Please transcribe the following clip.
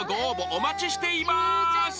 お待ちしています］